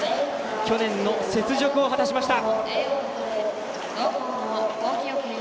去年の雪辱を果たしました。